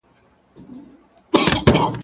زه پرون مېوې وخوړله.